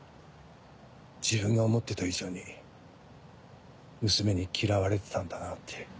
自分が思ってた以上に娘に嫌われてたんだなって。